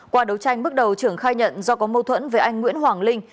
qua đấu tranh bước đầu trưởng khai nhận do có mâu thuẫn với anh nguyễn hoàng linh